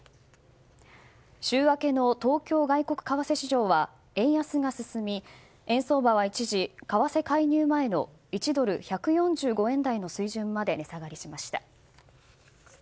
週明けの東京外国為替市場は円安が進み円相場は、一時為替介入前の１ドル＝１４５円台の水準まで値下がりしました。